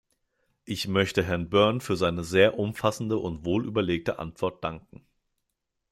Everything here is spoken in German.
Ich möchte Herrn Byrne für seine sehr umfassende und wohl überlegte Antwort danken.